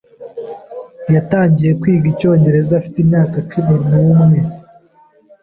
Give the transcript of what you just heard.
Yatangiye kwiga icyongereza afite imyaka cumi n'umwe.